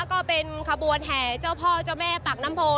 ก็เป็นขบวนแห่เจ้าพ่อเจ้าแม่ปากน้ำโพ